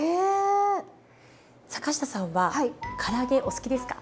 坂下さんはから揚げお好きですか？